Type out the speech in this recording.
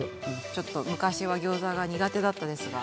ちょっと昔はギョーザが苦手だったですが。